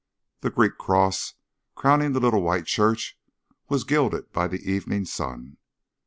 The Greek cross crowning the little white church was gilded by the evening sun.